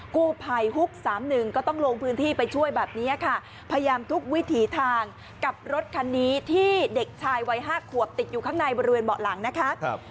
กู้ภัยฮุก๓๑ก็ต้องลงพื้นที่ไปช่วยแบบนี้ค่ะพยายามทุกวิถีทางกับรถคันนี้ที่เด็กชายวัย๕ขวบติดอยู่ข้างในบริเวณเบาะหลังนะคะ